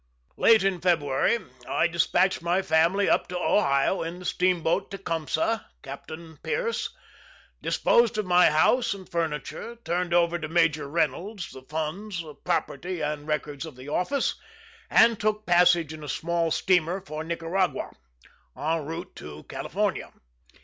Late in February, I dispatched my family up to Ohio in the steamboat Tecumseh (Captain Pearce); disposed of my house and furniture; turned over to Major Reynolds the funds, property, and records of the office; and took passage in a small steamer for Nicaragua, en route for California.